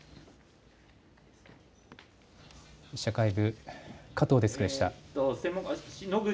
社会部、加藤デスクでした。